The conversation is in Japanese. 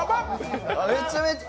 めちゃめちゃ。